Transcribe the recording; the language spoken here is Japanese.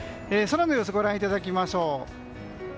空の様子をご覧いただきましょう。